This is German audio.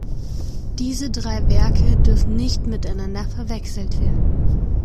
Diese drei Werke dürfen nicht miteinander verwechselt werden.